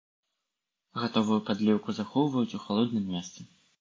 Гатовую падліўку захоўваюць у халодным месцы.